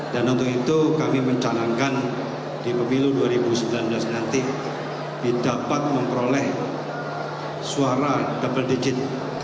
dan untuk itu kami mencanangkan di pemilu dua ribu sembilan belas nanti didapat memperoleh suara double digit